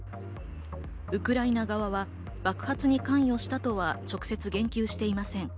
ウクライナ側は爆発に関与したとは直接言及していません。